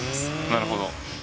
なるほど。